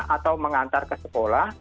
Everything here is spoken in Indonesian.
atau mengantar ke sekolah